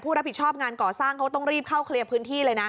รับผิดชอบงานก่อสร้างเขาต้องรีบเข้าเคลียร์พื้นที่เลยนะ